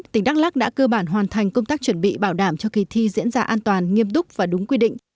tỉnh đắk lắc đã cơ bản hoàn thành công tác chuẩn bị bảo đảm cho kỳ thi diễn ra an toàn nghiêm túc và đúng quy định